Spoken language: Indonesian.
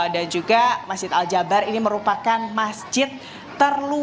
dan juga masjid al jabar ini baru diresmikan pada desember dua ribu dua puluh dua lalu